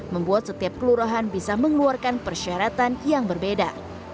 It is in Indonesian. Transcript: membuat setiap kelurahan bisa mengeluarkan persyaratan yang berbeda